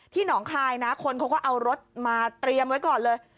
หนองคายนะคนเขาก็เอารถมาเตรียมไว้ก่อนเลย